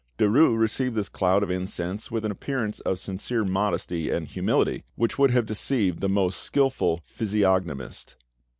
Derues received this cloud of incense with an appearance of sincere modesty and humility, which would have deceived the most skilful physiognomist.